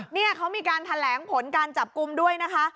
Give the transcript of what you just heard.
นี่เขามีการแถลงผลการจับกลุ่มด้วยนะคะ